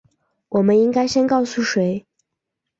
我们应该先告诉谁？